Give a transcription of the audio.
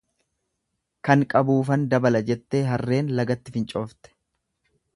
Kan qabuufan dabala jettee harreen lagatti fincoofte.